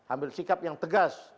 ambil sikap yang tegas